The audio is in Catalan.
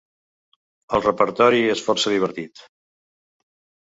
El repertori és força divertit.